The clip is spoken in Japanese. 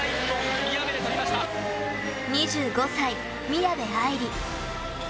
２５歳、宮部藍梨。